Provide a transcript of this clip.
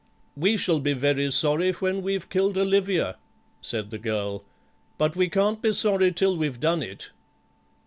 "We shall be very sorry when we've killed Olivia," said the girl, "but we can't be sorry till we've done it."